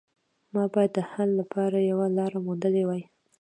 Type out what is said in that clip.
ما باید د حل لپاره یوه لاره موندلې وای